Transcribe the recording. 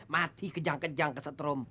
mati kejang kejang kesetrum